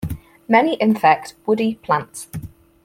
Many infect woody plants.